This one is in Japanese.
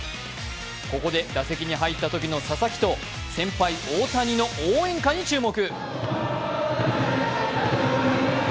ここで打席に入ったときの佐々木と先輩・大谷の応援歌に注目。